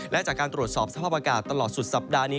และจากการตรวจสอบสภาพอากาศตลอดสุดสัปดาห์นี้